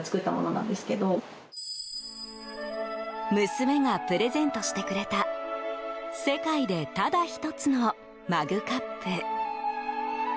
娘がプレゼントしてくれた世界でただ１つのマグカップ。